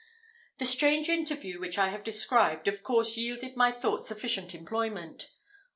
The strange interview which I have described of course yielded my thoughts sufficient employment.